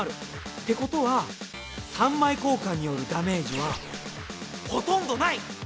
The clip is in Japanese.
ってことは３枚交換によるダメージはほとんどない！